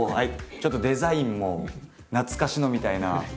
ちょっとデザインも懐かしのみたいな。